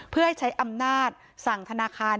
เพื่อให้ใช้อำนาจสั่งธนาคาร